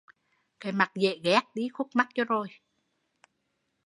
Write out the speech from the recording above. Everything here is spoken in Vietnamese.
Cái mặt dễ ghét, đi khuất mắt cho rồi